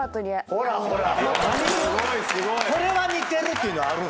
これは似てるってのある？